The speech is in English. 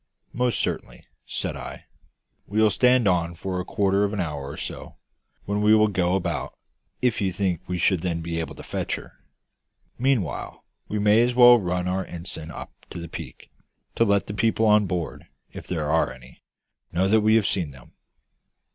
"Most certainly," said I. "We will stand on for a quarter of an hour or so, when we will go about, if you think we should then be able to fetch her. Meanwhile, we may as well run our ensign up to the peak, to let the people on board if there are any know that we have seen them."